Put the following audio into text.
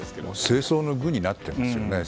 政争の具になっていますよね。